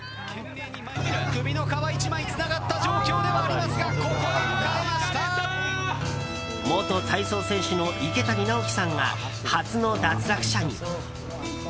首の皮一枚つながった状況ではありますが元体操選手の池谷直樹さんが初の脱落者に。